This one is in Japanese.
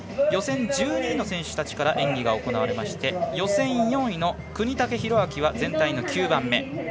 予選１２位の選手たちから演技が行われまして予選４位の國武大晃は全体の９番目。